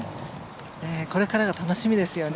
これからが楽しみですよね。